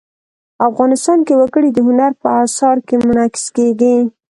افغانستان کې وګړي د هنر په اثار کې منعکس کېږي.